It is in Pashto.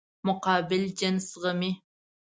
مقابل جنس زغمي.